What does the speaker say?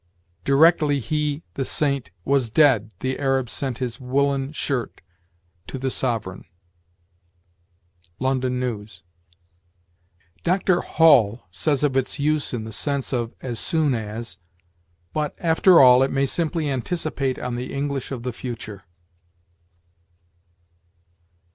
"Directly he [the saint] was dead, the Arabs sent his woolen shirt to the sovereign." "London News." Dr. Hall says of its use in the sense of as soon as: "But, after all, it may simply anticipate on the English of the future."